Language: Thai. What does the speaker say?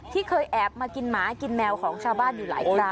ที่เคยแอบมากินหมากินแมวของชาวบ้านอยู่หลายครั้ง